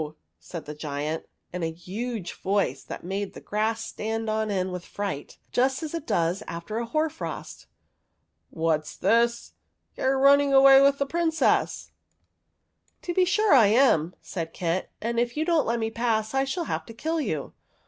said the giant, in a huge voice that made the grass stand on end with fright, just as it does after a hoar frost; "what's * this ? You 're running away with the Prin cess !" OF THE WILLOW HERB 19 " To be sure I am," said Kit ;" and if you don't let me pass, I shall have to kill you."